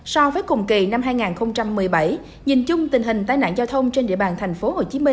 so với cùng kỳ năm hai nghìn một mươi bảy nhìn chung tình hình tai nạn giao thông trên địa bàn tp hcm